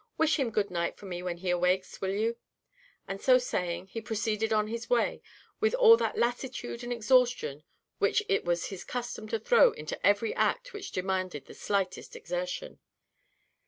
Wish him good night for me when he awakes, will you?" And so saying, he proceeded on his way, with all that lassitude and exhaustion which it was his custom to throw into every act which demanded the slightest exertion.